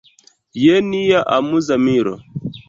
Je nia amuza miro!